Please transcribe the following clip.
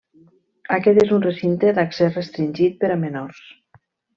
Aquest és un recinte d’accés restringit per a menors.